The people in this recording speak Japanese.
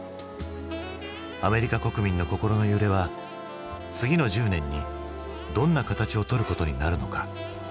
アメリカ国民の心の揺れは次の１０年にどんな形をとることになるのか？